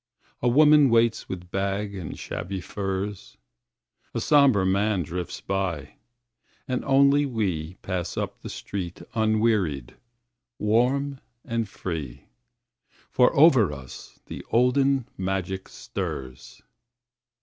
A woman waits with bag and shabby furs, A somber man drifts by, and only we Pass up the street unwearied, warm and free, For over us the olden magic stirs.